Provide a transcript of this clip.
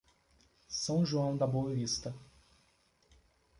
São João da Boa Vista